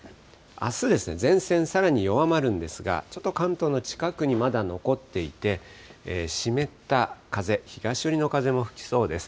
あす、前線、さらに弱まるんですが、ちょっと関東の近くにまだ残っていて、湿った風、東寄りの風も吹きそうです。